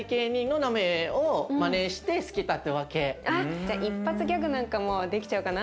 じゃあ一発ギャグなんかもできちゃうかな？